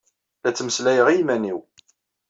La ttmeslayeɣ i yiman-iw.